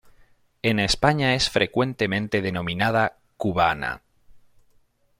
En España es frecuentemente denominada "cubana".